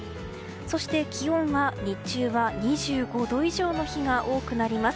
そして気温は、日中は２５度以上の日が多くなります。